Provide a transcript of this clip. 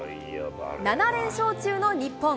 ７連勝中の日本。